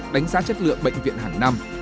đánh giá chất lượng bệnh viện hàng năm